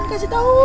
kasih tau ghi